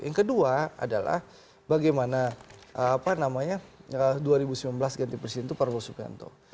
yang kedua adalah bagaimana dua ribu sembilan belas ganti presiden itu prabowo subianto